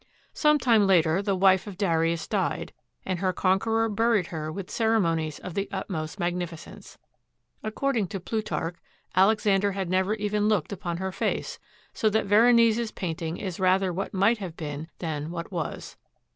Some time later, the wife of Darius died, and her conqueror buried her with ceremonies of the utmost magnificence. According to Plutarch, Alexander had never even looked upon her face, so that Veronese's painting is rather what might have been than what was.